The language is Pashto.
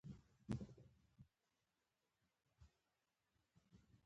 کورونه یې په زاړه دودیز شکل ساتل شوي.